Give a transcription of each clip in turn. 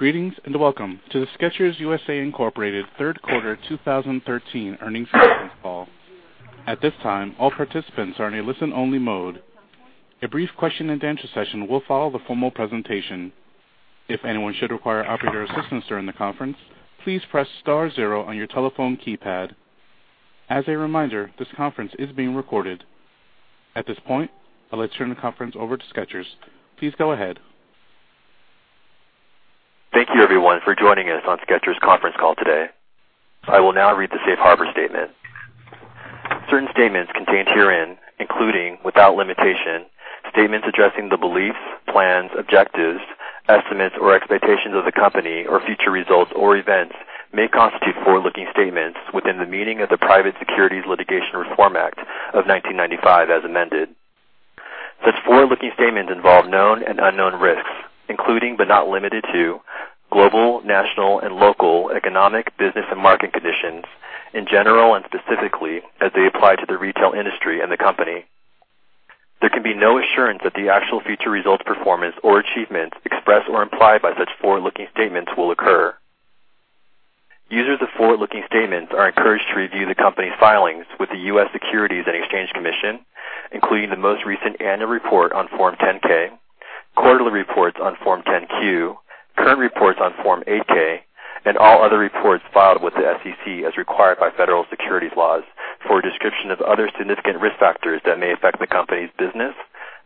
Greetings. Welcome to the Skechers U.S.A., Inc. third quarter 2013 earnings conference call. At this time, all participants are in a listen-only mode. A brief question-and-answer session will follow the formal presentation. If anyone should require operator assistance during the conference, please press star zero on your telephone keypad. As a reminder, this conference is being recorded. At this point, I'll turn the conference over to Skechers. Please go ahead. Thank you, everyone, for joining us on Skechers conference call today. I will now read the safe harbor statement. Certain statements contained herein, including, without limitation, statements addressing the beliefs, plans, objectives, estimates, or expectations of the company or future results or events may constitute forward-looking statements within the meaning of the Private Securities Litigation Reform Act of 1995 as amended. Such forward-looking statements involve known and unknown risks, including but not limited to global, national, and local economic, business, and market conditions in general and specifically as they apply to the retail industry and the company. There can be no assurance that the actual future results, performance, or achievements expressed or implied by such forward-looking statements will occur. Users of forward-looking statements are encouraged to review the company's filings with the U.S. Securities and Exchange Commission, including the most recent annual report on Form 10-K, quarterly reports on Form 10-Q, current reports on Form 8-K, and all other reports filed with the SEC as required by federal securities laws for a description of other significant risk factors that may affect the company's business,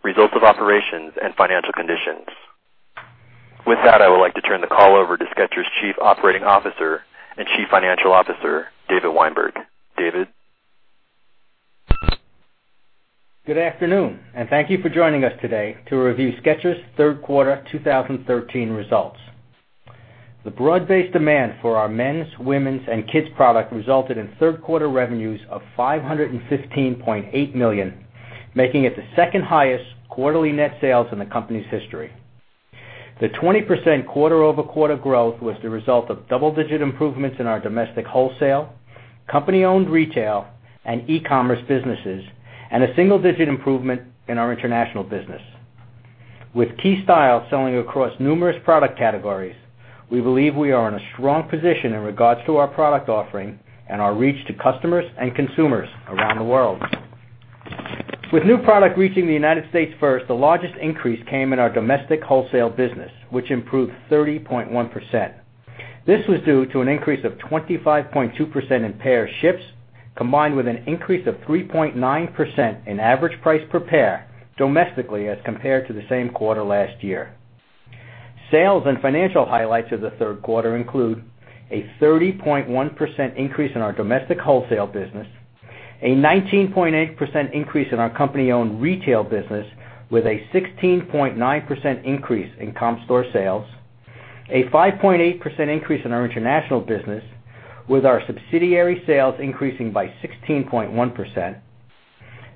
results of operations, and financial conditions. With that, I would like to turn the call over to Skechers Chief Operating Officer and Chief Financial Officer, David Weinberg. David? Good afternoon. Thank you for joining us today to review Skechers' third quarter 2013 results. The broad-based demand for our men's, women's, and kids product resulted in third-quarter revenues of $515.8 million, making it the second highest quarterly net sales in the company's history. The 20% quarter-over-quarter growth was the result of double-digit improvements in our domestic wholesale, company-owned retail, and e-commerce businesses, and a single-digit improvement in our international business. With key styles selling across numerous product categories, we believe we are in a strong position in regards to our product offering and our reach to customers and consumers around the world. With new product reaching the United States first, the largest increase came in our domestic wholesale business, which improved 30.1%. This was due to an increase of 25.2% in pairs shipped, combined with an increase of 3.9% in average price per pair domestically as compared to the same quarter last year. Sales and financial highlights of the third quarter include a 30.1% increase in our domestic wholesale business, a 19.8% increase in our company-owned retail business with a 16.9% increase in comp store sales, a 5.8% increase in our international business with our subsidiary sales increasing by 16.1%,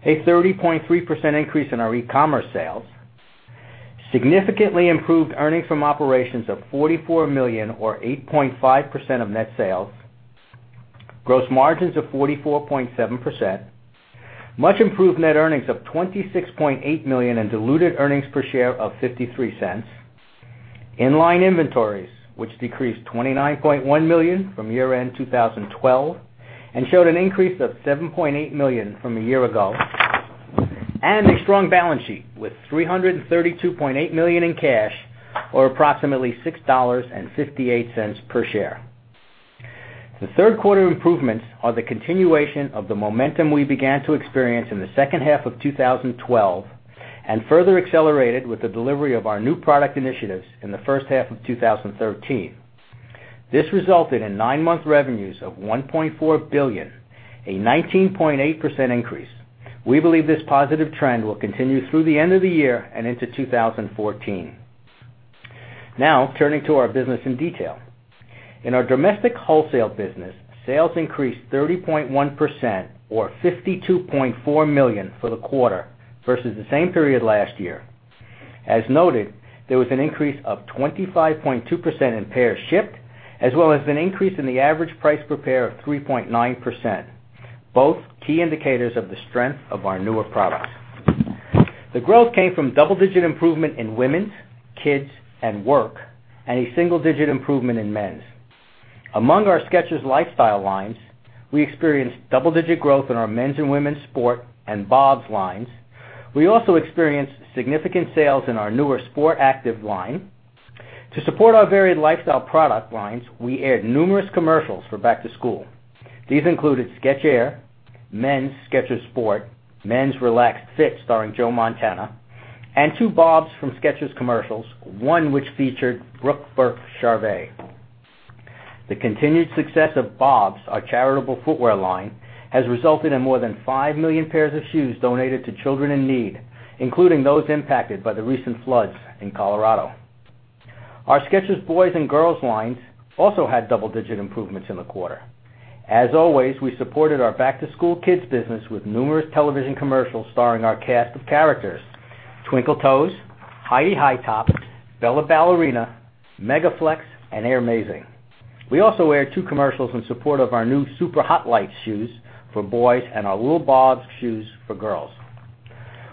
a 30.3% increase in our e-commerce sales, significantly improved earnings from operations of $44 million or 8.5% of net sales, gross margins of 44.7%, much improved net earnings of $26.8 million and diluted earnings per share of $0.53. In-line inventories, which decreased $29.1 million from year-end 2012 and showed an increase of $7.8 million from a year ago. A strong balance sheet with $332.8 million in cash or approximately $6.58 per share. The third quarter improvements are the continuation of the momentum we began to experience in the second half of 2012 and further accelerated with the delivery of our new product initiatives in the first half of 2013. This resulted in nine-month revenues of $1.4 billion, a 19.8% increase. We believe this positive trend will continue through the end of the year and into 2014. Now turning to our business in detail. In our domestic wholesale business, sales increased 30.1% or $52.4 million for the quarter versus the same period last year. As noted, there was an increase of 25.2% in pairs shipped, as well as an increase in the average price per pair of 3.9%, both key indicators of the strength of our newer products. The growth came from double-digit improvement in women's, kids, and work, and a single-digit improvement in men's. Among our Skechers lifestyle lines, we experienced double-digit growth in our men's and women's Sport and Bobs lines. We also experienced significant sales in our newer Sport Active line. To support our varied lifestyle product lines, we aired numerous commercials for back to school. These included Skech-Air, men's Skechers Sport, men's Relaxed Fit starring Joe Montana, and two Bobs from Skechers commercials, one which featured Brooke Burke-Charvet. The continued success of Bobs, our charitable footwear line, has resulted in more than 5 million pairs of shoes donated to children in need, including those impacted by the recent floods in Colorado. Our Skechers boys and girls lines also had double-digit improvements in the quarter. As always, we supported our back-to-school kids business with numerous television commercials starring our cast of characters, Twinkle Toes, Hydee Hy-Top, Bella Ballerina, Mega-Flex, and Air-Mazing. We also aired two commercials in support of our new Super Hot Lights shoes for boys and our Lil' Bobs shoes for girls.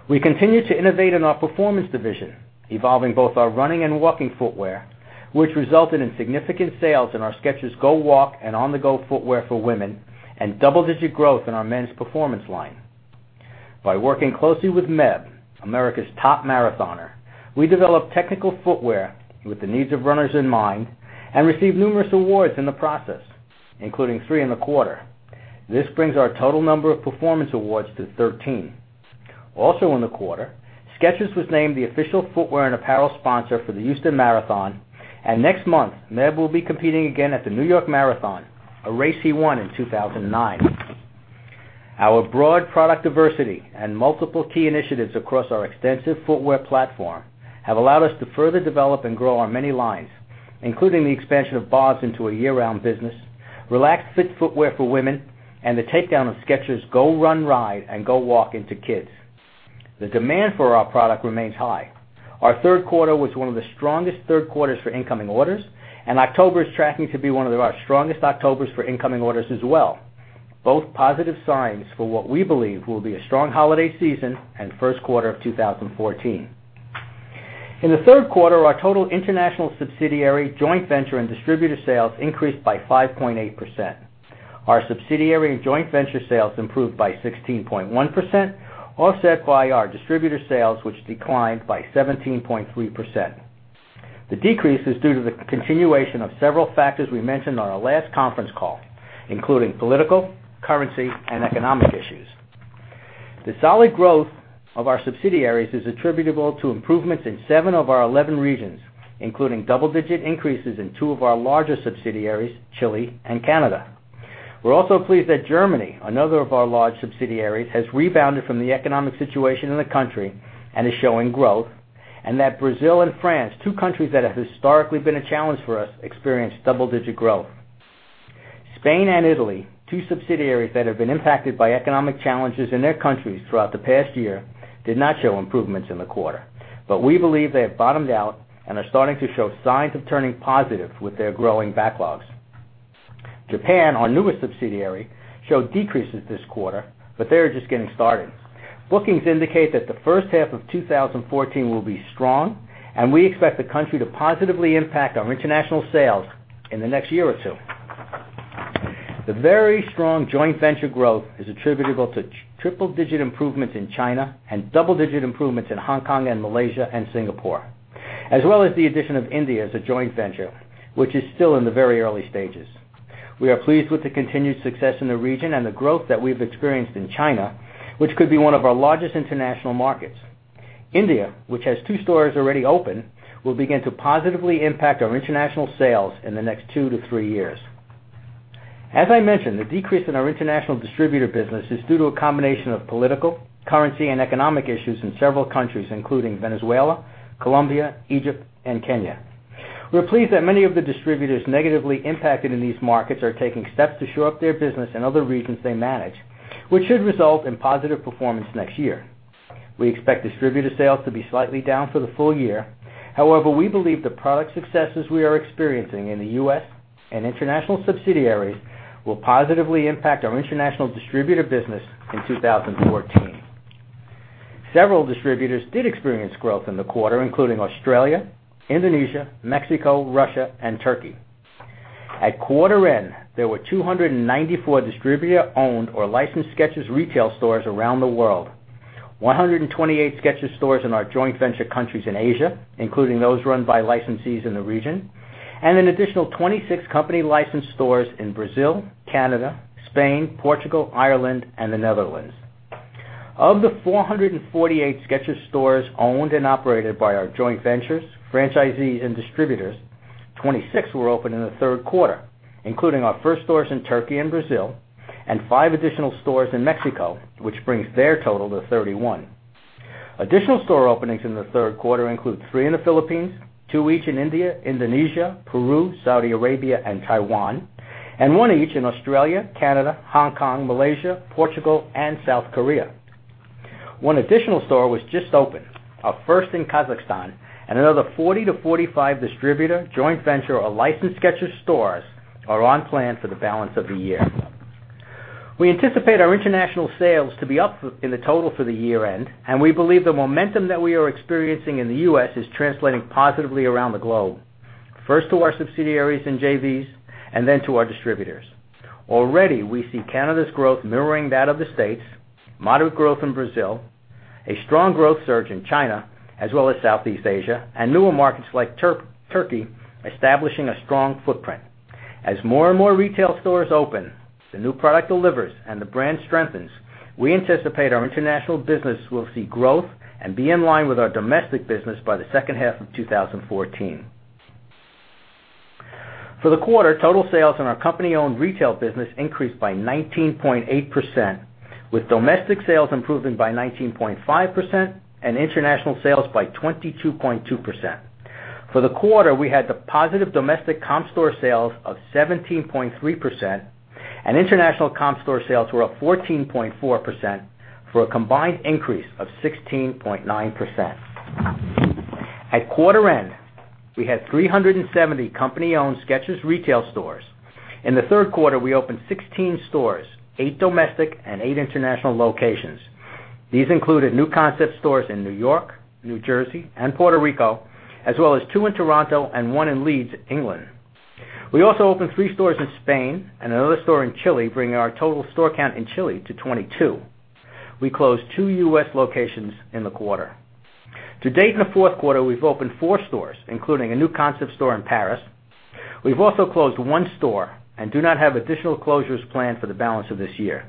We continue to innovate in our performance division, evolving both our running and walking footwear, which resulted in significant sales in our Skechers GO WALK and On-the-GO footwear for women, and double-digit growth in our men's performance line. By working closely with Meb, America's top marathoner, we developed technical footwear with the needs of runners in mind and received numerous awards in the process, including 3 in the quarter. This brings our total number of performance awards to 13. Also in the quarter, Skechers was named the official footwear and apparel sponsor for the Houston Marathon. Next month, Meb will be competing again at the New York Marathon, a race he won in 2009. Our broad product diversity and multiple key initiatives across our extensive footwear platform have allowed us to further develop and grow our many lines, including the expansion of Bobs into a year-round business, Relaxed Fit footwear for women, and the takedown of Skechers GO RUN Ride and GO WALK into kids. The demand for our product remains high. Our third quarter was one of the strongest third quarters for incoming orders. October is tracking to be one of our strongest Octobers for incoming orders as well. Both positive signs for what we believe will be a strong holiday season and first quarter of 2014. In the third quarter, our total international subsidiary, joint venture, and distributor sales increased by 5.8%. Our subsidiary and joint venture sales improved by 16.1%, offset by our distributor sales, which declined by 17.3%. The decrease is due to the continuation of several factors we mentioned on our last conference call, including political, currency, and economic issues. The solid growth of our subsidiaries is attributable to improvements in 7 of our 11 regions, including double-digit increases in 2 of our larger subsidiaries, Chile and Canada. We're also pleased that Germany, another of our large subsidiaries, has rebounded from the economic situation in the country and is showing growth. That Brazil and France, 2 countries that have historically been a challenge for us, experienced double-digit growth. Spain and Italy, 2 subsidiaries that have been impacted by economic challenges in their countries throughout the past year, did not show improvements in the quarter. We believe they have bottomed out and are starting to show signs of turning positive with their growing backlogs. Japan, our newest subsidiary, showed decreases this quarter, but they are just getting started. Bookings indicate that the first half of 2014 will be strong, and we expect the country to positively impact our international sales in the next year or 2. The very strong joint venture growth is attributable to triple-digit improvements in China and double-digit improvements in Hong Kong and Malaysia and Singapore. As well as the addition of India as a joint venture, which is still in the very early stages. We are pleased with the continued success in the region and the growth that we've experienced in China, which could be one of our largest international markets. India, which has 2 stores already open, will begin to positively impact our international sales in the next 2 to 3 years. As I mentioned, the decrease in our international distributor business is due to a combination of political, currency, and economic issues in several countries, including Venezuela, Colombia, Egypt, and Kenya. We're pleased that many of the distributors negatively impacted in these markets are taking steps to shore up their business in other regions they manage, which should result in positive performance next year. We expect distributor sales to be slightly down for the full year. However, we believe the product successes we are experiencing in the U.S. and international subsidiaries will positively impact our international distributor business in 2014. Several distributors did experience growth in the quarter, including Australia, Indonesia, Mexico, Russia, and Turkey. At quarter end, there were 294 distributor-owned or licensed Skechers retail stores around the world. 128 Skechers stores in our joint venture countries in Asia, including those run by licensees in the region, and an additional 26 company licensed stores in Brazil, Canada, Spain, Portugal, Ireland, and the Netherlands. Of the 448 Skechers stores owned and operated by our joint ventures, franchisees, and distributors, 26 were opened in the third quarter, including our first stores in Turkey and Brazil, and five additional stores in Mexico, which brings their total to 31. Additional store openings in the third quarter include three in the Philippines, two each in India, Indonesia, Peru, Saudi Arabia, and Taiwan, and one each in Australia, Canada, Hong Kong, Malaysia, Portugal, and South Korea. One additional store was just opened, our first in Kazakhstan, and another 40-45 distributor, joint venture, or licensed Skechers stores are on plan for the balance of the year. We anticipate our international sales to be up in the total for the year-end, and we believe the momentum that we are experiencing in the U.S. is translating positively around the globe. First to our subsidiaries and JVs, then to our distributors. Already, we see Canada's growth mirroring that of the States, moderate growth in Brazil, a strong growth surge in China, as well as Southeast Asia, and newer markets like Turkey establishing a strong footprint. As more and more retail stores open, the new product delivers, and the brand strengthens, we anticipate our international business will see growth and be in line with our domestic business by the second half of 2014. For the quarter, total sales in our company-owned retail business increased by 19.8%, with domestic sales improving by 19.5% and international sales by 22.2%. For the quarter, we had the positive domestic comp store sales of 17.3%, and international comp store sales were up 14.4%, for a combined increase of 16.9%. At quarter end, we had 370 company-owned Skechers retail stores. In the third quarter, we opened 16 stores, eight domestic and eight international locations. These included new concept stores in New York, New Jersey, and Puerto Rico, as well as two in Toronto and one in Leeds, England. We also opened three stores in Spain and another store in Chile, bringing our total store count in Chile to 22. We closed two U.S. locations in the quarter. To date, in the fourth quarter, we've opened four stores, including a new concept store in Paris. We've also closed one store and do not have additional closures planned for the balance of this year.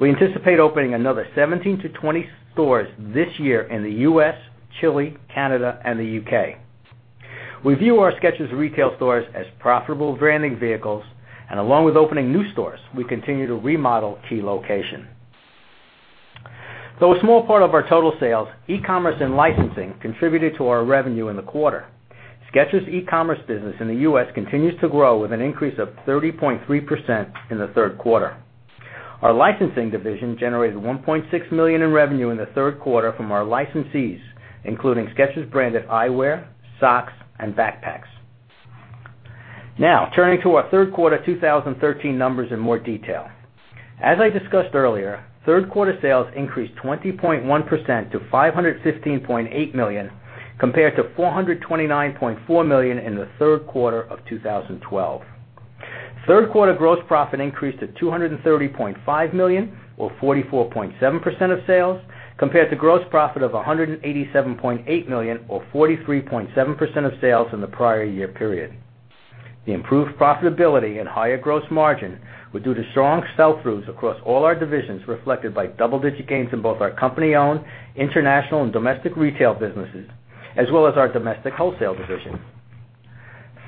We anticipate opening another 17-20 stores this year in the U.S., Chile, Canada, and the U.K. We view our Skechers retail stores as profitable branding vehicles, and along with opening new stores, we continue to remodel key locations. Though a small part of our total sales, e-commerce and licensing contributed to our revenue in the quarter. Skechers' e-commerce business in the U.S. continues to grow with an increase of 30.3% in the third quarter. Our licensing division generated $1.6 million in revenue in the third quarter from our licensees, including Skechers branded eyewear, socks, and backpacks. Turning to our third quarter 2013 numbers in more detail. As I discussed earlier, third quarter sales increased 20.1% to $515.8 million, compared to $429.4 million in the third quarter of 2012. Third quarter gross profit increased to $230.5 million or 44.7% of sales, compared to gross profit of $187.8 million or 43.7% of sales in the prior year period. The improved profitability and higher gross margin were due to strong sell-throughs across all our divisions, reflected by double-digit gains in both our company-owned international and domestic retail businesses as well as our domestic wholesale division.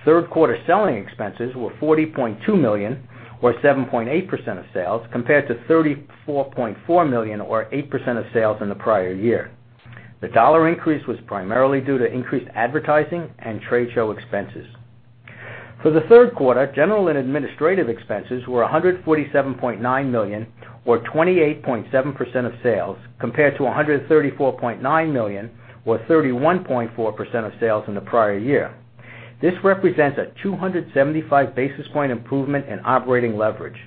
Third quarter selling expenses were $40.2 million or 7.8% of sales compared to $34.4 million or 8% of sales in the prior year. The dollar increase was primarily due to increased advertising and trade show expenses. For the third quarter, general and administrative expenses were $147.9 million or 28.7% of sales compared to $134.9 million or 31.4% of sales in the prior year. This represents a 275 basis point improvement in operating leverage.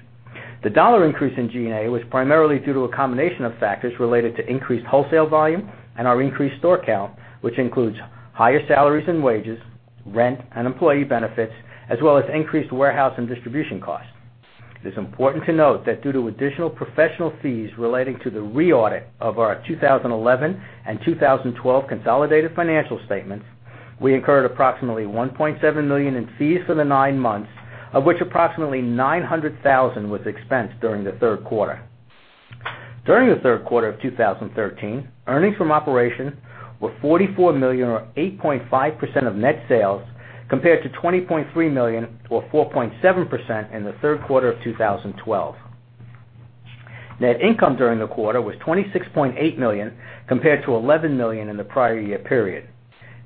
The dollar increase in G&A was primarily due to a combination of factors related to increased wholesale volume and our increased store count, which includes higher salaries and wages, rent, and employee benefits, as well as increased warehouse and distribution costs. It is important to note that due to additional professional fees relating to the re-audit of our 2011 and 2012 consolidated financial statements, we incurred approximately $1.7 million in fees for the nine months, of which approximately $900,000 was expensed during the third quarter. During the third quarter of 2013, earnings from operations were $44 million or 8.5% of net sales compared to $20.3 million or 4.7% in the third quarter of 2012. Net income during the quarter was $26.8 million compared to $11 million in the prior year period.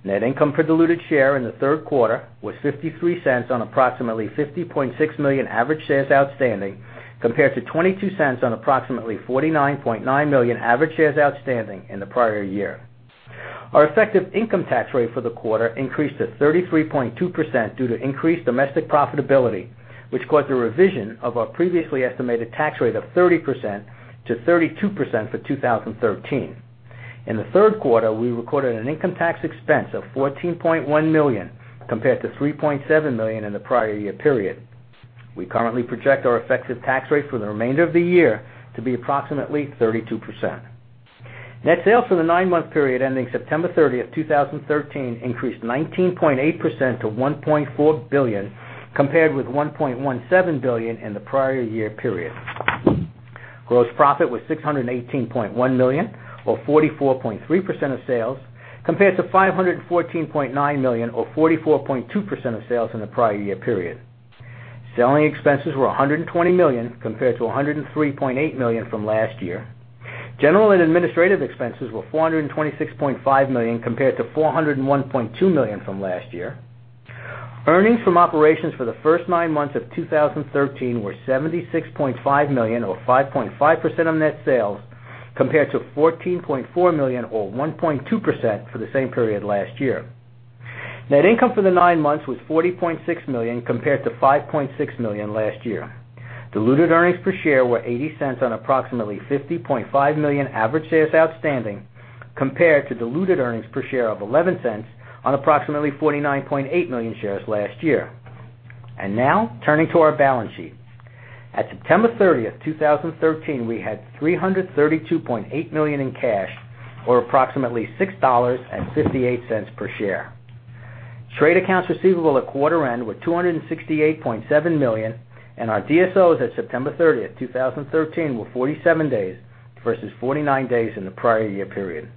Net income per diluted share in the third quarter was $0.53 on approximately 50.6 million average shares outstanding compared to $0.22 on approximately 49.9 million average shares outstanding in the prior year. Our effective income tax rate for the quarter increased to 33.2% due to increased domestic profitability, which caused a revision of our previously estimated tax rate of 30%-32% for 2013. In the third quarter, we recorded an income tax expense of $14.1 million compared to $3.7 million in the prior year period. We currently project our effective tax rate for the remainder of the year to be approximately 32%. Net sales for the nine-month period ending September 30th, 2013, increased 19.8% to $1.4 billion, compared with $1.17 billion in the prior year period. Gross profit was $618.1 million or 44.3% of sales compared to $514.9 million or 44.2% of sales in the prior year period. Selling expenses were $120 million compared to $103.8 million from last year. General and administrative expenses were $426.5 million compared to $401.2 million from last year. Earnings from operations for the first nine months of 2013 were $76.5 million or 5.5% of net sales compared to $14.4 million or 1.2% for the same period last year. Net income for the nine months was $40.6 million compared to $5.6 million last year. Diluted earnings per share were $0.80 on approximately 50.5 million average shares outstanding compared to diluted earnings per share of $0.11 on approximately 49.8 million shares last year. Now turning to our balance sheet. At September 30th, 2013, we had $332.8 million in cash or approximately $6.58 per share. Trade accounts receivable at quarter end were $268.7 million, our Days Sales Outstanding as of September 30th, 2013, were 47 days versus 49 days in the prior year period.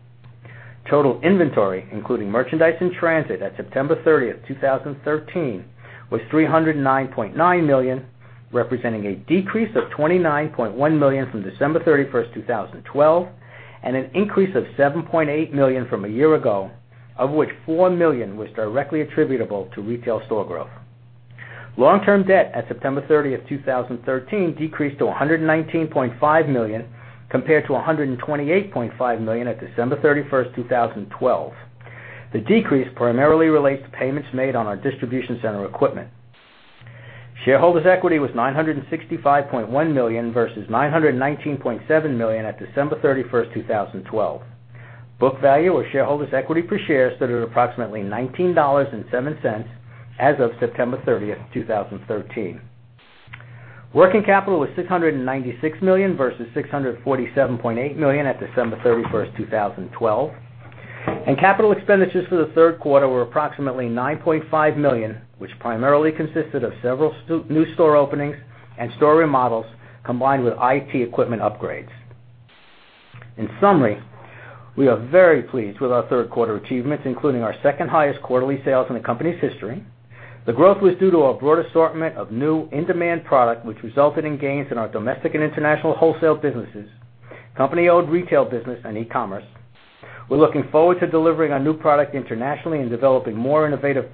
Total inventory, including merchandise in transit at September 30th, 2013, was $309.9 million, representing a decrease of $29.1 million from December 31st, 2012, and an increase of $7.8 million from a year ago, of which $4 million was directly attributable to retail store growth. Long-term debt at September 30th, 2013, decreased to $119.5 million compared to $128.5 million at December 31st, 2012. The decrease primarily relates to payments made on our distribution center equipment. Shareholders' equity was $965.1 million versus $919.7 million at December 31st, 2012. Book value of shareholders' equity per share stood at approximately $19.7 as of September 30th, 2013. Working capital was $696 million versus $647.8 million at December 31st, 2012. Capital expenditures for the third quarter were approximately $9.5 million, which primarily consisted of several new store openings and store remodels, combined with IT equipment upgrades. In summary, we are very pleased with our third quarter achievements, including our second highest quarterly sales in the company's history. The growth was due to our broad assortment of new in-demand product, which resulted in gains in our domestic and international wholesale businesses, company-owned retail business, and e-commerce. We're looking forward to delivering our new product internationally and developing more innovative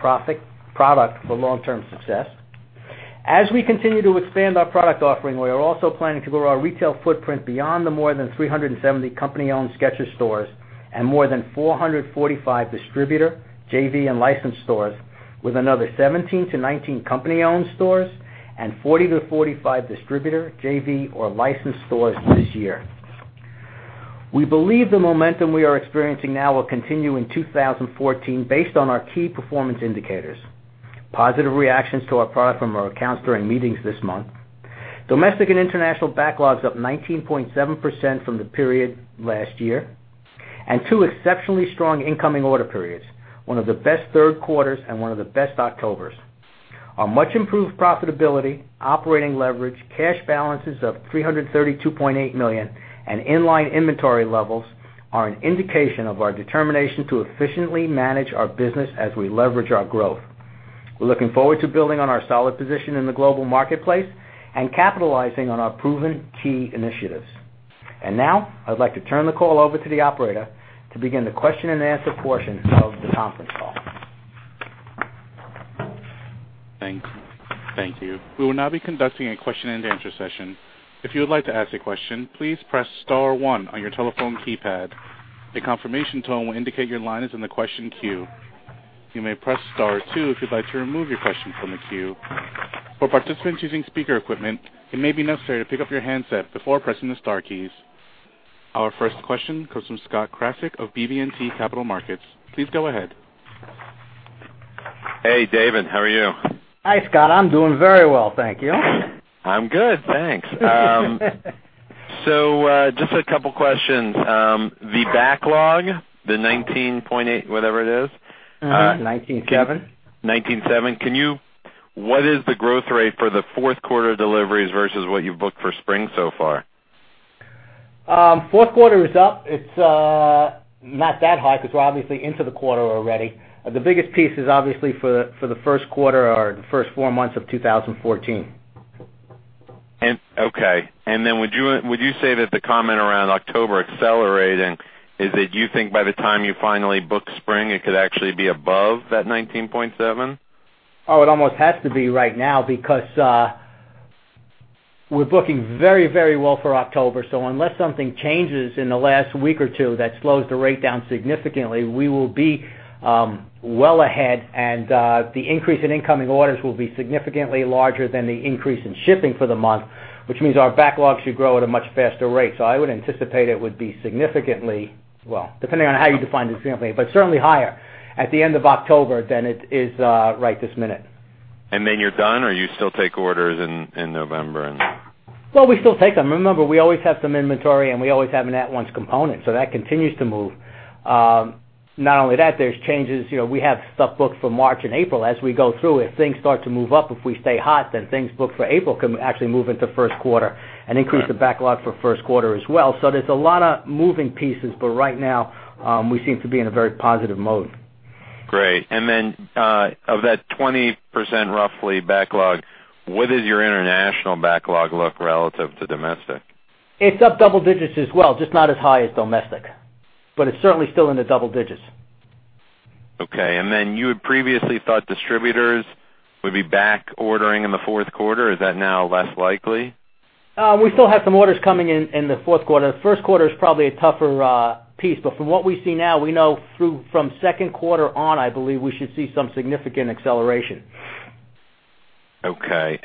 product for long-term success. As we continue to expand our product offering, we are also planning to grow our retail footprint beyond the more than 370 company-owned Skechers stores and more than 445 distributor, JV, and licensed stores with another 17 to 19 company-owned stores and 40 to 45 distributor, JV, or licensed stores this year. We believe the momentum we are experiencing now will continue in 2014 based on our key performance indicators, positive reactions to our product from our accounts during meetings this month, domestic and international backlogs up 19.7% from the period last year, two exceptionally strong incoming order periods, one of the best third quarters and one of the best Octobers. Our much improved profitability, operating leverage, cash balances of $332.8 million, and in-line inventory levels are an indication of our determination to efficiently manage our business as we leverage our growth. We're looking forward to building on our solid position in the global marketplace and capitalizing on our proven key initiatives. Now I'd like to turn the call over to the operator to begin the question and answer portion of the conference call. Thank you. We will now be conducting a question and answer session. If you would like to ask a question, please press *1 on your telephone keypad. A confirmation tone will indicate your line is in the question queue. You may press *2 if you'd like to remove your question from the queue. For participants using speaker equipment, it may be necessary to pick up your handset before pressing the star keys. Our first question comes from Scott Krasik of BB&T Capital Markets. Please go ahead. Hey, David. How are you? Hi, Scott. I'm doing very well, thank you. I'm good, thanks. Just a couple questions. The backlog, the 19.8, whatever it is. 19.7%. 19.7%. What is the growth rate for the fourth quarter deliveries versus what you've booked for spring so far? Fourth quarter is up. It's not that high because we're obviously into the quarter already. The biggest piece is obviously for the first quarter or the first four months of 2014. Okay. Would you say that the comment around October accelerating is that you think by the time you finally book spring, it could actually be above that 19.7%? It almost has to be right now because we're booking very well for October. Unless something changes in the last week or two that slows the rate down significantly, we will be well ahead and the increase in incoming orders will be significantly larger than the increase in shipping for the month, which means our backlog should grow at a much faster rate. I would anticipate it would be significantly, well, depending on how you define it, but certainly higher at the end of October than it is right this minute. Then you're done, or you still take orders in November? Well, we still take them. Remember, we always have some inventory, and we always have an at-once component, so that continues to move. Not only that, there's changes. We have stuff booked for March and April. As we go through, if things start to move up, if we stay hot, then things booked for April can actually move into the first quarter and increase the backlog for the first quarter as well. There's a lot of moving pieces, but right now, we seem to be in a very positive mode. Great. Then, of that 20%, roughly, backlog, what does your international backlog look relative to domestic? It's up double digits as well, just not as high as domestic, but it's certainly still in the double digits. Okay. You had previously thought distributors would be back ordering in the fourth quarter. Is that now less likely? We still have some orders coming in the fourth quarter. The first quarter is probably a tougher piece. From what we see now, we know from the second quarter on, I believe we should see some significant acceleration. Okay.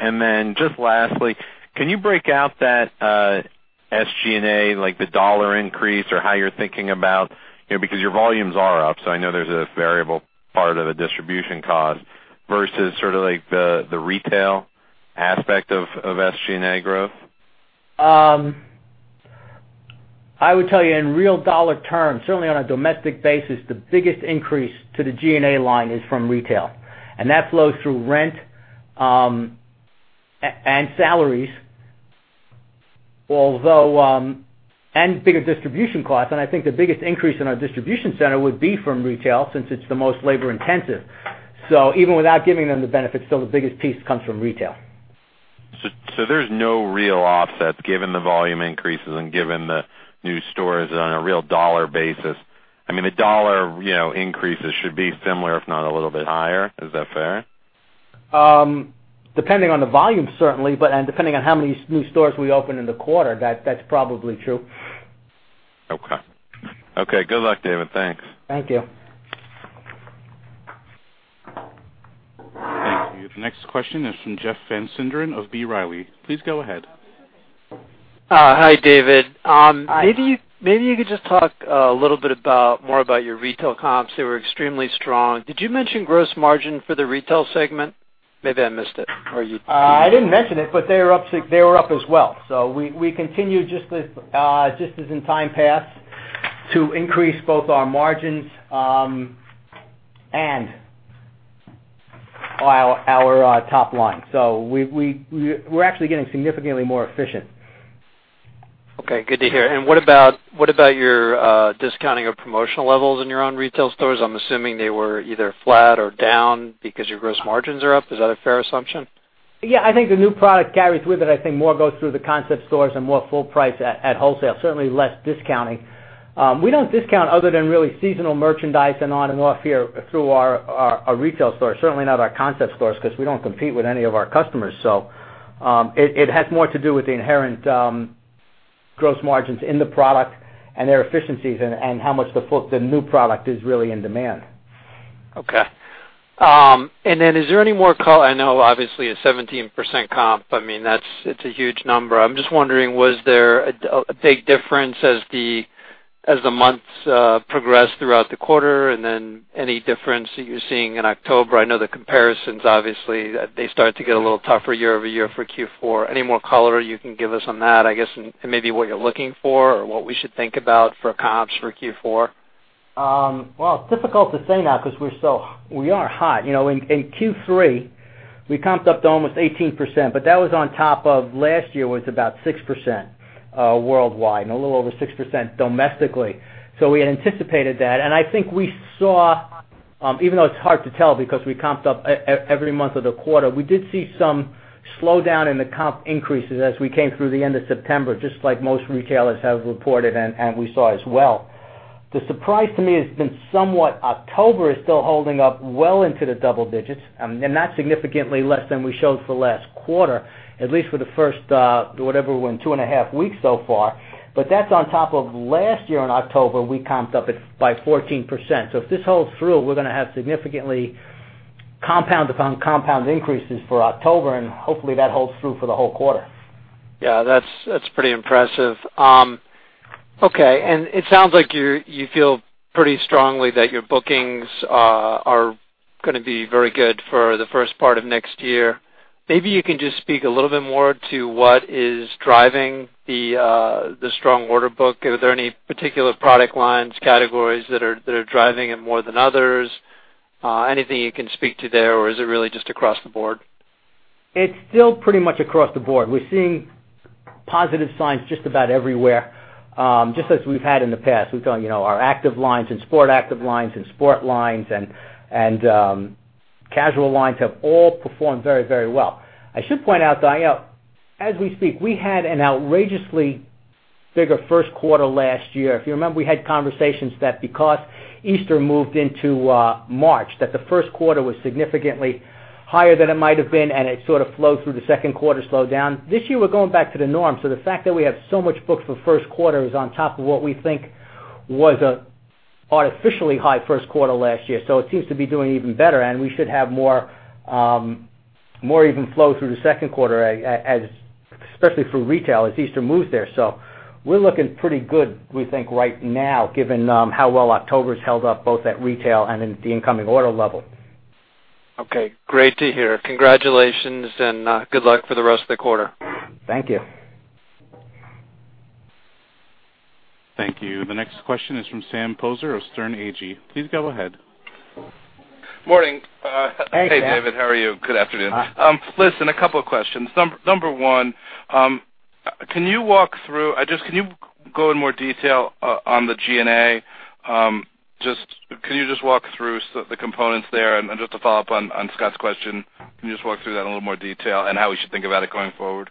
Just lastly, can you break out that SG&A, like the dollar increase or how you're thinking about, because your volumes are up, so I know there's a variable part of the distribution cost versus sort of like the retail aspect of SG&A growth. I would tell you in real dollar terms, certainly on a domestic basis, the biggest increase to the G&A line is from retail, that flows through rent and salaries and bigger distribution costs. I think the biggest increase in our distribution center would be from retail since it's the most labor-intensive. Even without giving them the benefit, still the biggest piece comes from retail. There's no real offset given the volume increases and given the new stores on a real dollar basis. I mean, the dollar increases should be similar if not a little bit higher. Is that fair? Depending on the volume, certainly, depending on how many new stores we open in the quarter, that's probably true. Okay. Good luck, David. Thanks. Thank you. Thank you. The next question is from Jeff Van Sinderen of B. Riley. Please go ahead. Hi, David. Hi. Maybe you could just talk a little bit more about your retail comps. They were extremely strong. Did you mention gross margin for the retail segment? Maybe I missed it. I didn't mention it, but they were up as well. We continue, just as in time past, to increase both our margins, and our top line. We're actually getting significantly more efficient. Okay, good to hear. What about your discounting of promotional levels in your own retail stores? I'm assuming they were either flat or down because your gross margins are up. Is that a fair assumption? Yeah, I think the new product carries with it. I think more goes through the concept stores and more full price at wholesale, certainly less discounting. We don't discount other than really seasonal merchandise and on and off here through our retail store, certainly not our concept stores, because we don't compete with any of our customers. It has more to do with the inherent gross margins in the product and their efficiencies and how much the new product is really in demand. Okay. Is there any more I know obviously a 17% comp, it's a huge number. I'm just wondering, was there a big difference as the months progressed throughout the quarter? Any difference that you're seeing in October? I know the comparisons, obviously, they start to get a little tougher year-over-year for Q4. Any more color you can give us on that, I guess, and maybe what you're looking for or what we should think about for comps for Q4? It's difficult to say now because we are hot. In Q3, we comped up to almost 18%, but that was on top of last year was about 6% worldwide and a little over 6% domestically. We had anticipated that. I think we saw, even though it's hard to tell because we comped up every month of the quarter, we did see some slowdown in the comp increases as we came through the end of September, just like most retailers have reported and we saw as well. The surprise to me has been somewhat October is still holding up well into the double digits. Not significantly less than we showed for last quarter, at least for the first, whatever we're in, two and a half weeks so far. That's on top of last year in October, we comped up by 14%. If this holds through, we're going to have significantly compound upon compound increases for October, and hopefully that holds through for the whole quarter. Yeah, that's pretty impressive. Okay, and it sounds like you feel pretty strongly that your bookings are going to be very good for the first part of next year. Maybe you can just speak a little bit more to what is driving the strong order book. Are there any particular product lines, categories that are driving it more than others? Anything you can speak to there, or is it really just across the board? It's still pretty much across the board. We're seeing positive signs just about everywhere. Just as we've had in the past. Our active lines and Sport Active lines and sport lines and casual lines have all performed very well. I should point out, though, as we speak, we had an outrageously bigger first quarter last year. If you remember, we had conversations that because Easter moved into March, that the first quarter was significantly higher than it might have been, and it sort of flowed through the second quarter slowdown. This year, we're going back to the norm. The fact that we have so much booked for first quarter is on top of what we think was an artificially high first quarter last year. It seems to be doing even better, and we should have more even flow through the second quarter, especially through retail, as Easter moves there. We're looking pretty good, we think, right now, given how well October's held up, both at retail and in the incoming order level. Okay. Great to hear. Congratulations, and good luck for the rest of the quarter. Thank you. Thank you. The next question is from Sam Poser of Sterne Agee. Please go ahead. Morning. Hey. Hey, David. How are you? Good afternoon. Hi. Listen, a couple of questions. Number 1, can you go in more detail on the G&A? Can you just walk through the components there? Just to follow up on Scott's question, can you just walk through that in a little more detail and how we should think about it going forward?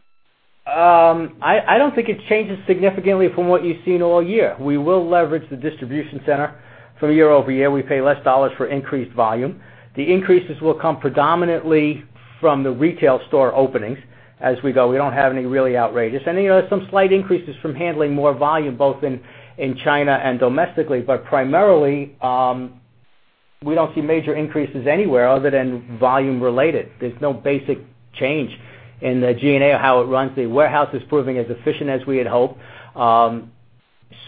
I don't think it changes significantly from what you've seen all year. We will leverage the distribution center from year-over-year. We pay less dollars for increased volume. The increases will come predominantly from the retail store openings as we go. We don't have any really outrageous. There are some slight increases from handling more volume, both in China and domestically. Primarily, we don't see major increases anywhere other than volume related. There's no basic change in the G&A or how it runs. The warehouse is proving as efficient as we had hoped.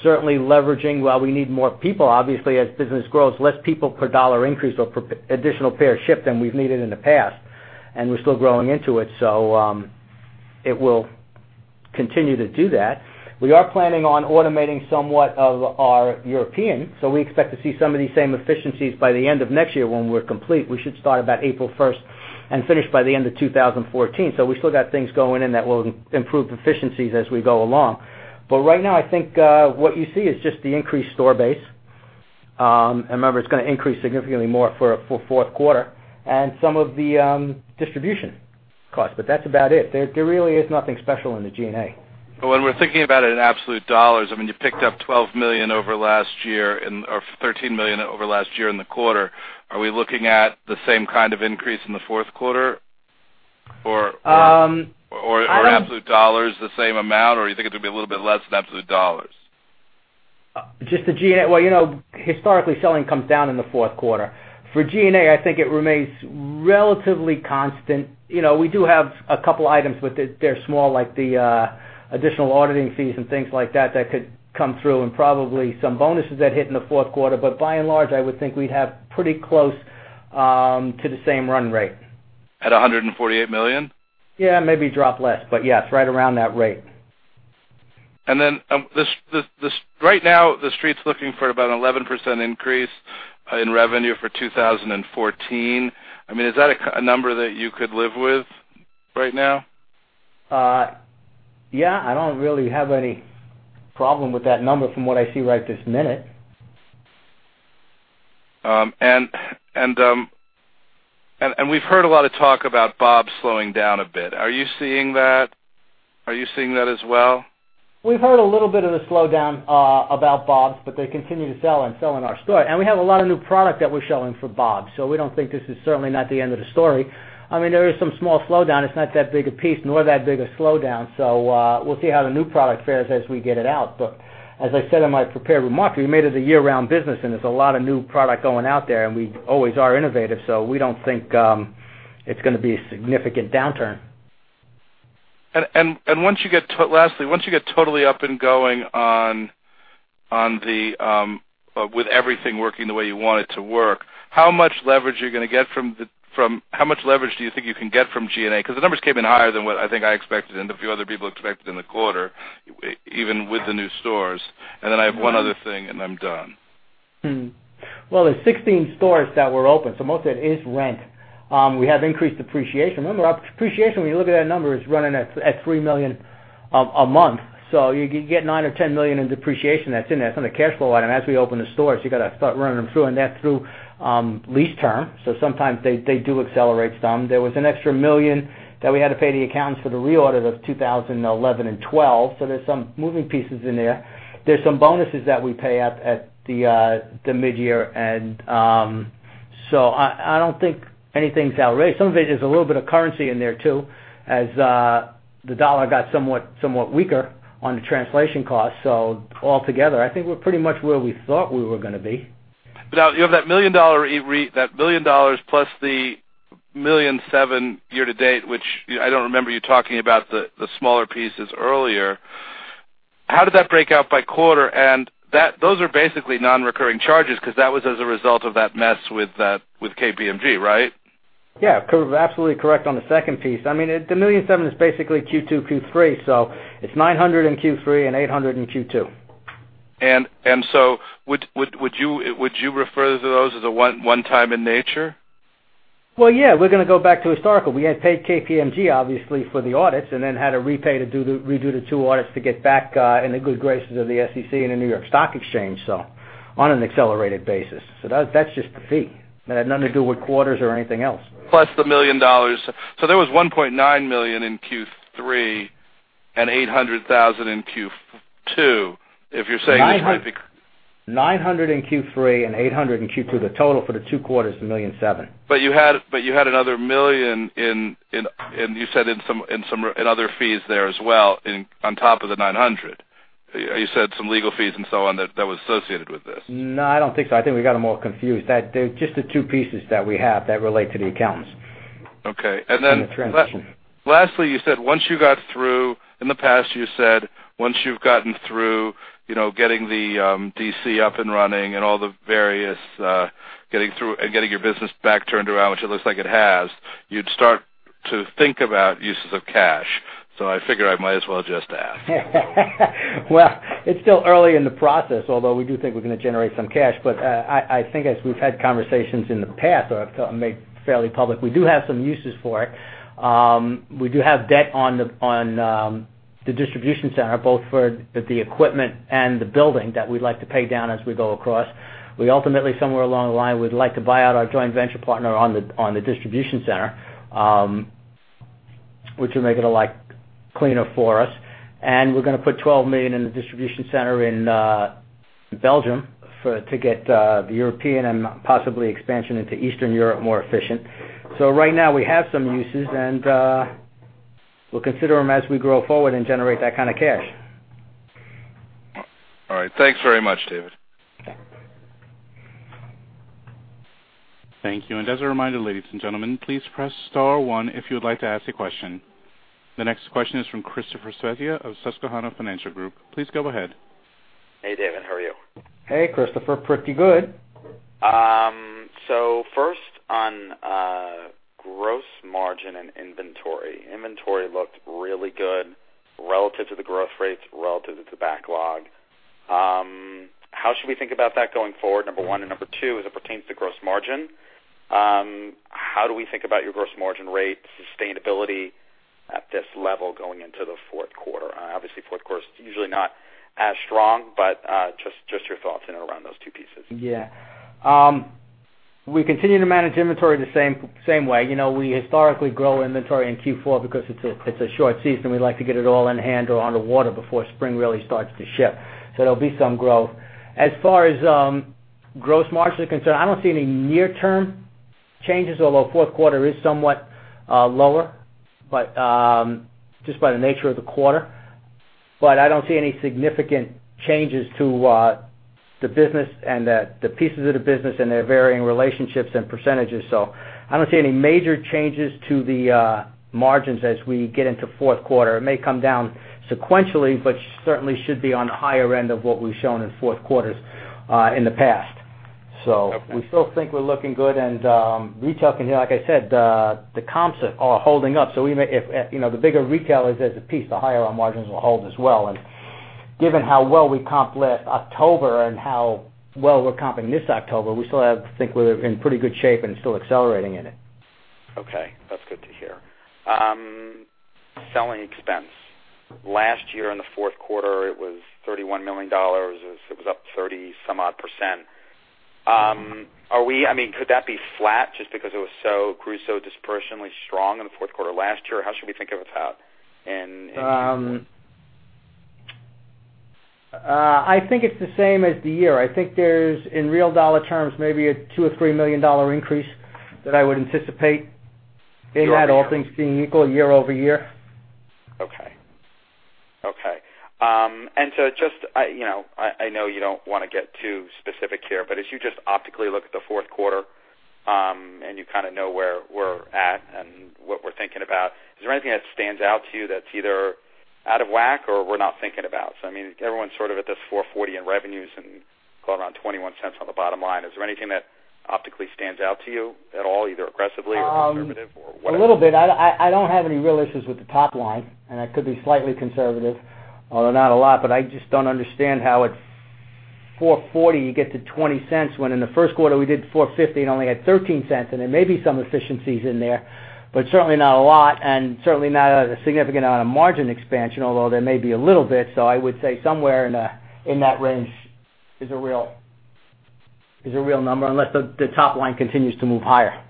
Certainly leveraging, while we need more people obviously as business grows, less people per dollar increase or per additional pair shipped than we've needed in the past, and we're still growing into it. It will continue to do that. We are planning on automating somewhat of our European, we expect to see some of these same efficiencies by the end of next year when we're complete. We should start about April 1st and finish by the end of 2014. We still got things going in that will improve efficiencies as we go along. Right now, I think, what you see is just the increased store base. Remember, it's going to increase significantly more for fourth quarter and some of the distribution costs, but that's about it. There really is nothing special in the G&A. When we're thinking about it in absolute dollars, you picked up $12 million over last year or $13 million over last year in the quarter. Are we looking at the same kind of increase in the fourth quarter? Um, I don't- Are absolute dollars the same amount, or you think it's going to be a little bit less than absolute dollars? Just the G&A. Historically, selling comes down in the fourth quarter. For G&A, I think it remains relatively constant. We do have a couple items, but they're small, like the additional auditing fees and things like that that could come through, and probably some bonuses that hit in the fourth quarter. By and large, I would think we'd have pretty close to the same run rate. At $148 million? Yeah, maybe drop less, but yes, right around that rate. Right now the Street's looking for about an 11% increase in revenue for 2014. Is that a number that you could live with right now? Yeah. I don't really have any problem with that number from what I see right this minute. We've heard a lot of talk about BOBS slowing down a bit. Are you seeing that? Are you seeing that as well? We've heard a little bit of the slowdown about BOBS, but they continue to sell and selling our story. We have a lot of new product that we're showing for BOBS, so we don't think this is certainly not the end of the story. There is some small slowdown. It's not that big a piece nor that big a slowdown. We'll see how the new product fares as we get it out. As I said in my prepared remark, we made it a year-round business, and there's a lot of new product going out there, and we always are innovative, so we don't think it's going to be a significant downturn. Lastly, once you get totally up and going with everything working the way you want it to work, how much leverage do you think you can get from G&A? Because the numbers came in higher than what I think I expected and a few other people expected in the quarter, even with the new stores. Then I have one other thing, and I'm done. Well, there's 16 stores that were open, most of it is rent. We have increased depreciation. Remember, our depreciation, when you look at that number, is running at $3 million a month. You get $9 or $10 million in depreciation that's in there. That's on the cash flow item. As we open the stores, you've got to start running them through and that through lease term. Sometimes they do accelerate some. There was an extra $1 million that we had to pay the accountants for the re-audit of 2011 and 2012, there's some moving pieces in there. There's some bonuses that we pay up at the mid-year, I don't think anything's outrace. Some of it is a little bit of currency in there, too, as the dollar got somewhat weaker on the translation cost. Altogether, I think we're pretty much where we thought we were going to be. Now you have that $1 million plus the $1.7 million year-to-date, which I don't remember you talking about the smaller pieces earlier. How did that break out by quarter? Those are basically non-recurring charges because that was as a result of that mess with KPMG, right? You're absolutely correct on the second piece. The $1.7 million is basically Q2, Q3, so it's $900 in Q3 and $800 in Q2. Would you refer to those as a one-time in nature? Well, yeah. We're going to go back to historical. We had paid KPMG, obviously, for the audits and then had to redo the two audits to get back in the good graces of the SEC and the New York Stock Exchange, so on an accelerated basis. That's just the fee. That had nothing to do with quarters or anything else. Plus the $1 million. There was $1.9 million in Q3 and $800,000 in Q2. If you're saying this might be- $900 in Q3 and $800 in Q2. The total for the two quarters is $1.7 million. You had another $1 million in, you said, in other fees there as well on top of the $900. You said some legal fees and so on that was associated with this. No, I don't think so. I think we got them all confused. There's just the two pieces that we have that relate to the accountants. Okay. The transition. Lastly, in the past you said once you've gotten through getting the DC up and running and all the various getting through and getting your business back turned around, which it looks like it has, you'd start to think about uses of cash. I figured I might as well just ask. Well, it's still early in the process, although we do think we're going to generate some cash. I think as we've had conversations in the past or have made fairly public, we do have some uses for it. We do have debt on the distribution center, both for the equipment and the building that we'd like to pay down as we go across. We ultimately, somewhere along the line, would like to buy out our joint venture partner on the distribution center, which would make it a lot cleaner for us. We're going to put $12 million in the distribution center in Belgium to get the European and possibly expansion into Eastern Europe more efficient. Right now we have some uses, and we'll consider them as we grow forward and generate that kind of cash. All right. Thanks very much, David. Okay. Thank you. As a reminder, ladies and gentlemen, please press star one if you would like to ask a question. The next question is from Christopher Svezia of Susquehanna Financial Group. Please go ahead. Hey, David. How are you? Hey, Christopher. Pretty good. First on gross margin and inventory. Inventory looked really good relative to the growth rates, relative to backlog. How should we think about that going forward, number one? Number two, as it pertains to gross margin, how do we think about your gross margin rate sustainability? At this level going into the fourth quarter. Obviously, fourth quarter is usually not as strong, but just your thoughts in and around those two pieces. We continue to manage inventory the same way. We historically grow inventory in Q4 because it's a short season. We like to get it all in hand or on the water before spring really starts to ship. There'll be some growth. As far as gross margins are concerned, I don't see any near-term changes, although fourth quarter is somewhat lower, just by the nature of the quarter. I don't see any significant changes to the business and the pieces of the business and their varying relationships and percentages. I don't see any major changes to the margins as we get into fourth quarter. It may come down sequentially, but certainly should be on the higher end of what we've shown in fourth quarters in the past. Okay. We still think we're looking good and retail, like I said, the comps are holding up. The bigger retailers, there's a piece, the higher our margins will hold as well. Given how well we comped last October and how well we're comping this October, we still think we're in pretty good shape and still accelerating in it. That's good to hear. Selling expense. Last year in the fourth quarter, it was $31 million. It was up 30 some odd %. Could that be flat just because it grew so dispersionally strong in the fourth quarter last year? How should we think of it in Q4? I think it's the same as the year. I think there's, in real dollar terms, maybe a $2 or $3 million increase that I would anticipate in that, all things being equal year-over-year. Okay. I know you don't want to get too specific here, but as you just optically look at the fourth quarter, and you kind of know where we're at and what we're thinking about, is there anything that stands out to you that's either out of whack or we're not thinking about? Everyone's sort of at this 440 in revenues and call it around $0.21 on the bottom line. Is there anything that optically stands out to you at all, either aggressively or conservative or whatever? A little bit. I don't have any real issues with the top line, and I could be slightly conservative, although not a lot, but I just don't understand how at 440 you get to $0.20 when in the first quarter we did 450 and only had $0.13, and there may be some efficiencies in there, but certainly not a lot and certainly not a significant amount of margin expansion, although there may be a little bit. I would say somewhere in that range is a real number unless the top line continues to move higher.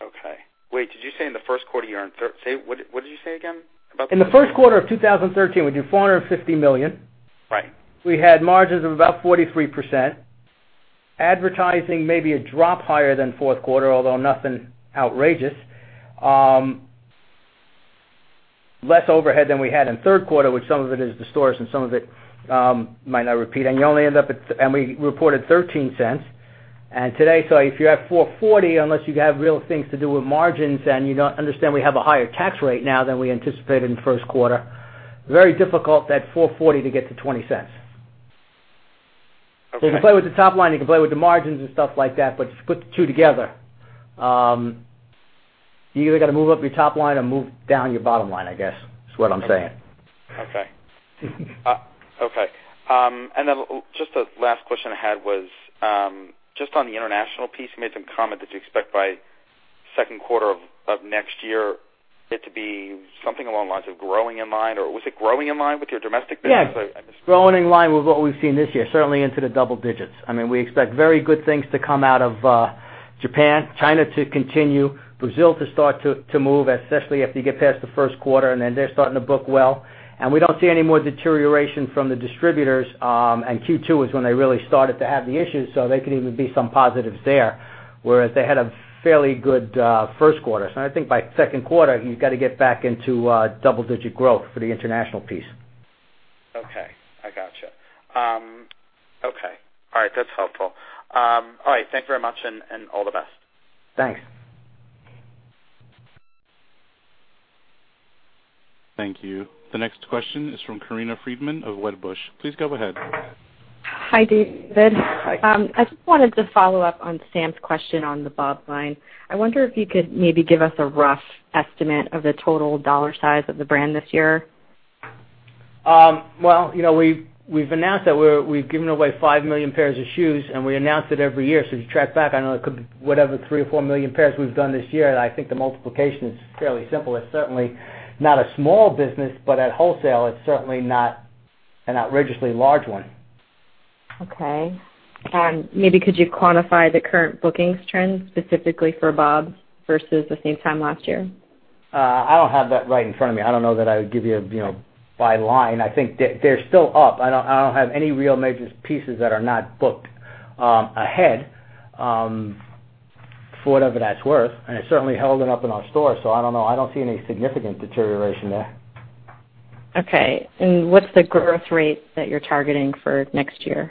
Okay. Wait, did you say in the first quarter? What did you say again about- In the first quarter of 2013, we do $450 million. Right. We had margins of about 43%. Advertising, maybe a drop higher than fourth quarter, although nothing outrageous. Less overhead than we had in third quarter, which some of it is the stores and some of it might not repeat. We reported $0.13. Today, if you're at $440, unless you have real things to do with margins and you don't understand we have a higher tax rate now than we anticipated in the first quarter, very difficult at $440 to get to $0.20. Okay. You can play with the top line, you can play with the margins and stuff like that, to put the two together, you either got to move up your top line or move down your bottom line, I guess, is what I'm saying. Okay. Just a last question I had was, just on the international piece, you made some comment that you expect by second quarter of next year it to be something along the lines of growing in line, or was it growing in line with your domestic business? I missed that. Yes. Growing in line with what we've seen this year, certainly into the double digits. We expect very good things to come out of Japan, China to continue, Brazil to start to move, especially after you get past the first quarter, they're starting to book well. We don't see any more deterioration from the distributors, and Q2 is when they really started to have the issues, so there could even be some positives there. Whereas they had a fairly good first quarter. I think by second quarter, you've got to get back into double-digit growth for the international piece. Okay. I got you. Okay. All right. That's helpful. All right. Thank you very much and all the best. Thanks. Thank you. The next question is from Corinna Freedman of Wedbush. Please go ahead. Hi, David. Hi. I just wanted to follow up on Sam's question on the BOBS line. I wonder if you could maybe give us a rough estimate of the total dollar size of the brand this year? Well, we've announced that we've given away five million pairs of shoes. We announce it every year. If you track back, I know it could be whatever three or four million pairs we've done this year. I think the multiplication is fairly simple. It's certainly not a small business, but at wholesale, it's certainly not an outrageously large one. Okay. Maybe could you quantify the current bookings trends specifically for BOBS versus the same time last year? I don't have that right in front of me. I don't know that I would give you by line. I think they're still up. I don't have any real major pieces that are not booked ahead, for whatever that's worth, and it's certainly holding up in our stores. I don't know. I don't see any significant deterioration there. Okay. What's the growth rate that you're targeting for next year?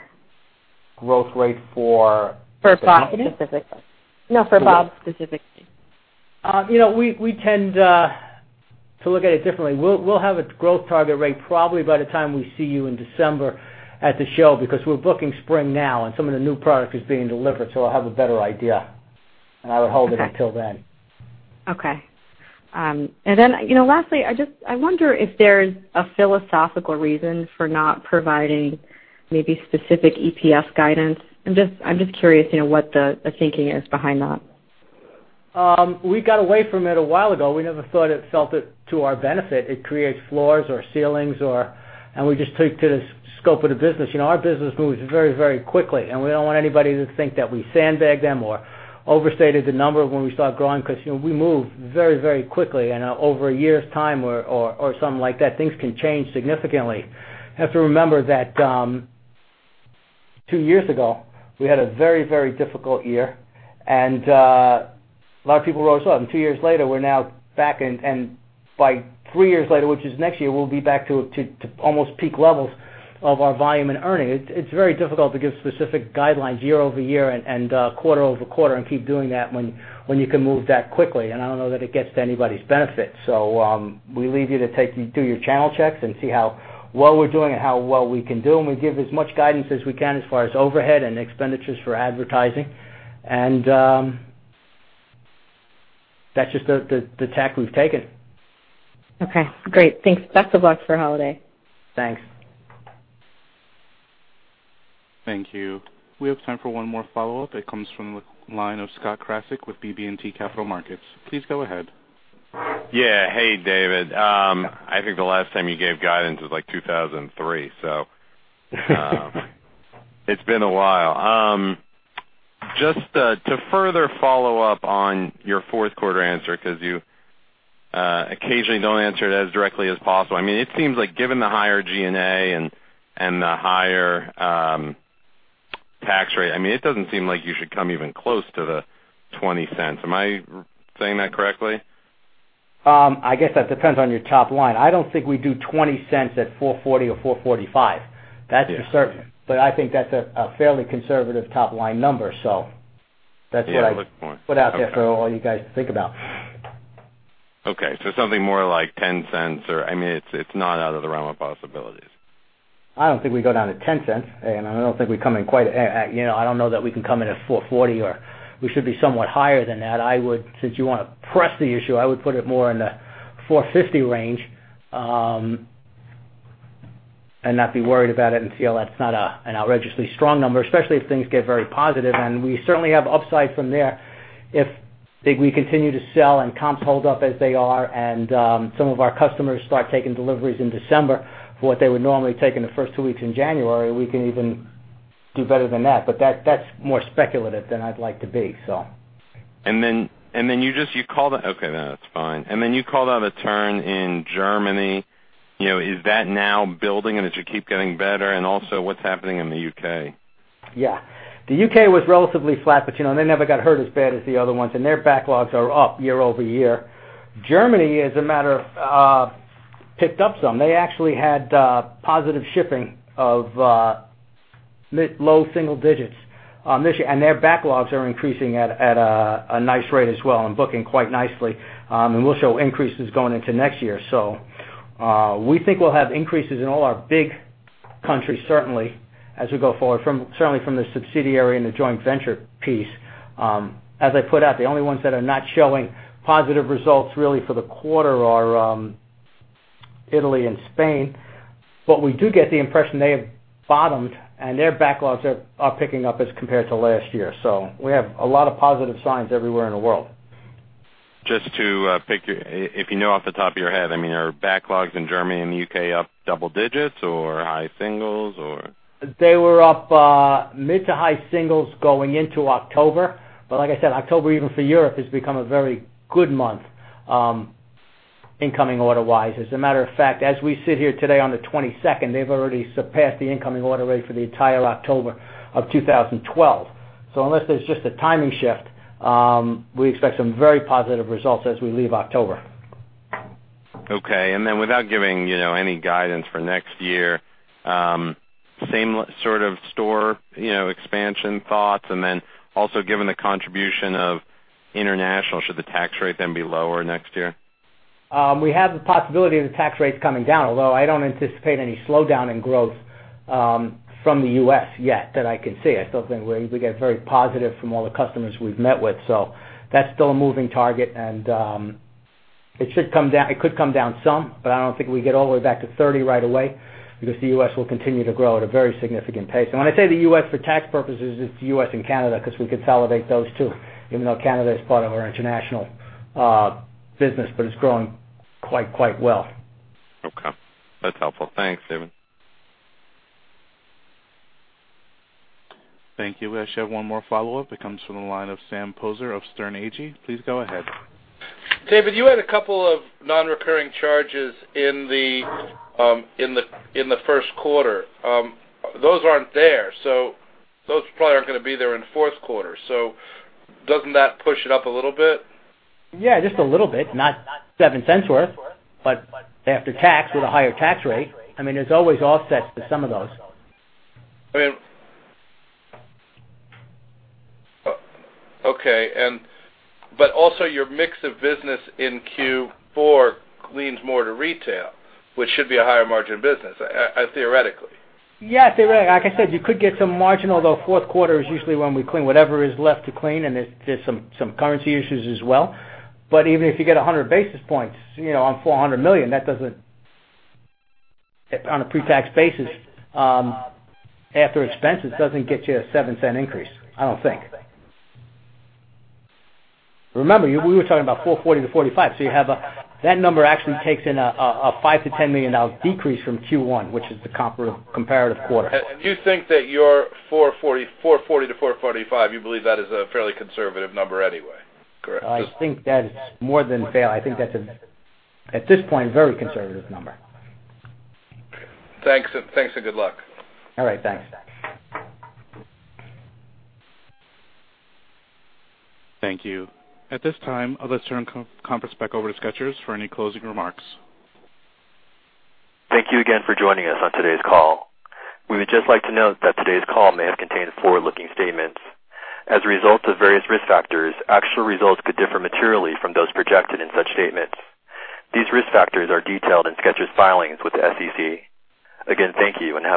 Growth rate for- For BOBS specifically. We tend to look at it differently. We'll have a growth target rate probably by the time we see you in December at the show because we're booking spring now and some of the new product is being delivered, so I'll have a better idea. I would hold it until then. Then, lastly, I wonder if there's a philosophical reason for not providing maybe specific EPS guidance. I'm just curious what the thinking is behind that. We got away from it a while ago. We never thought it felt it to our benefit. It creates floors or ceilings or We just take to the scope of the business. Our business moves very, very quickly, and we don't want anybody to think that we sandbagged them or overstated the number when we start growing, because we move very, very quickly. Over a year's time or something like that, things can change significantly. You have to remember that two years ago, we had a very, very difficult year, and a lot of people wrote us off. Two years later, we're now back, and by three years later, which is next year, we'll be back to almost peak levels of our volume and earnings. It's very difficult to give specific guidelines year-over-year and quarter-over-quarter and keep doing that when you can move that quickly. I don't know that it gets to anybody's benefit. We leave you to do your channel checks and see how well we're doing and how well we can do, and we give as much guidance as we can as far as overhead and expenditures for advertising. That's just the tack we've taken. Okay, great. Thanks. Best of luck for holiday. Thanks. Thank you. We have time for one more follow-up. It comes from the line of Scott Krasik with BB&T Capital Markets. Please go ahead. Yeah. Hey, David. I think the last time you gave guidance was like 2003. It's been a while. Just to further follow up on your fourth quarter answer, because you occasionally don't answer it as directly as possible. It seems like given the higher G&A and the higher tax rate, it doesn't seem like you should come even close to the $0.20. Am I saying that correctly? I guess that depends on your top line. I don't think we do $0.20 at $440 or $445. Yeah. That's for certain. I think that's a fairly conservative top-line number. Yeah, that's what Put out there for all you guys to think about. Something more like $0.10 or it's not out of the realm of possibilities. I don't think we go down to $0.10, and I don't know that we can come in at $4.40 or we should be somewhat higher than that. Since you want to press the issue, I would put it more in the $4.50 range, and not be worried about it and feel that's not an outrageously strong number, especially if things get very positive. We certainly have upside from there if we continue to sell and comps hold up as they are, and some of our customers start taking deliveries in December for what they would normally take in the first two weeks in January. We can even do better than that. That's more speculative than I'd like to be. You called out a turn in Germany. Is that now building, and does it keep getting better? What's happening in the U.K.? The U.K. was relatively flat, but they never got hurt as bad as the other ones, and their backlogs are up year-over-year. Germany, as a matter, picked up some. They actually had positive shipping of mid-low single digits this year. Their backlogs are increasing at a nice rate as well and booking quite nicely, and will show increases going into next year. We think we'll have increases in all our big countries, certainly, as we go forward, certainly from the subsidiary and the joint venture piece. As I put out, the only ones that are not showing positive results really for the quarter are Italy and Spain. We do get the impression they have bottomed, and their backlogs are picking up as compared to last year. We have a lot of positive signs everywhere in the world. If you know off the top of your head, are backlogs in Germany and the U.K. up double digits or high singles or? They were up mid-to-high singles going into October. Like I said, October, even for Europe, has become a very good month, incoming order-wise. As a matter of fact, as we sit here today on the 22nd, they've already surpassed the incoming order rate for the entire October of 2012. Unless there's just a timing shift, we expect some very positive results as we leave October. Okay. Without giving any guidance for next year, same sort of store expansion thoughts? Also, given the contribution of international, should the tax rate then be lower next year? We have the possibility of the tax rates coming down, although I don't anticipate any slowdown in growth from the U.S. yet that I can see. I still think we get very positive from all the customers we've met with. That's still a moving target, and it could come down some, I don't think we get all the way back to 30 right away because the U.S. will continue to grow at a very significant pace. When I say the U.S. for tax purposes, it's U.S. and Canada because we consolidate those two, even though Canada is part of our international business, it's growing quite well. Okay. That's helpful. Thanks, David. Thank you. We actually have one more follow-up. It comes from the line of Sam Poser of Sterne Agee. Please go ahead. David, you had a couple of non-recurring charges in the first quarter. Those aren't there, those probably aren't going to be there in the fourth quarter. Doesn't that push it up a little bit? Yeah, just a little bit. Not $0.07 worth, after tax, with a higher tax rate, there's always offsets to some of those. Okay. Also, your mix of business in Q4 leans more to retail, which should be a higher margin business, theoretically. Yeah, theoretically. Like I said, you could get some margin, although fourth quarter is usually when we clean whatever is left to clean, and there's some currency issues as well. Even if you get 100 basis points on $400 million, that doesn't, on a pre-tax basis, after expenses, doesn't get you a $0.07 increase, I don't think. Remember, we were talking about 440 to 445, that number actually takes in a $5 million-$10 million decrease from Q1, which is the comparative quarter. You think that your $440-$445, you believe that is a fairly conservative number anyway, correct? I think that is more than fair. I think that's a, at this point, very conservative number. Okay. Thanks, and good luck. All right. Thanks. Thank you. At this time, let's turn the conference back over to Skechers for any closing remarks. Thank you again for joining us on today's call. We would just like to note that today's call may have contained forward-looking statements. As a result of various risk factors, actual results could differ materially from those projected in such statements. These risk factors are detailed in Skechers' filings with the SEC. Again, thank you and have a great day.